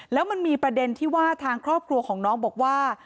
แล้วมันมีประเด็นที่ว่าทางครอบครัวของน้องบอกว่า